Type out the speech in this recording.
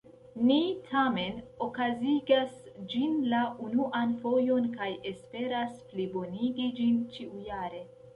Ni tamen okazigas ĝin la unuan fojon kaj esperas plibonigi ĝin ĉiujare!